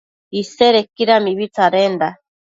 Isedequida mibi tsadenda